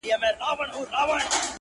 پر وطن باندي موږ تېر تر سر او تن یو-